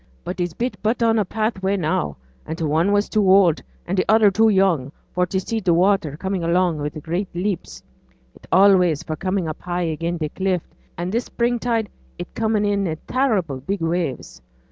But it's but a bit on a pathway now; an' t' one was too oud, an' t' other too young for t' see t' water comin' along wi' great leaps; it's allays for comin' high up again' t' cliff, an' this spring tide it's comin' in i' terrible big waves.